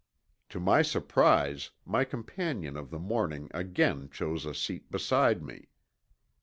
To my surprise my companion of the morning again chose a seat beside me.